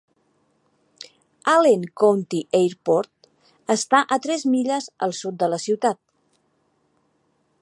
Allen County Airport està a tres milles al sud de la ciutat.